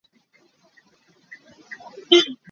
Ka angki a hnawm.